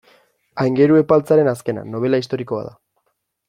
Aingeru Epaltzaren azkena, nobela historikoa da.